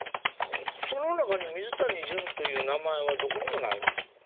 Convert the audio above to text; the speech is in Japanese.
その中に「水谷隼」という名前はどこにもないんですか？